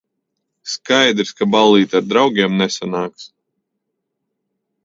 Skaidrs, ka ballīte ar draugiem nesanāks.